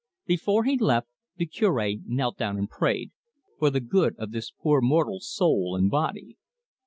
Before he left, the Cure knelt down and prayed, "for the good of this poor mortal's soul and body."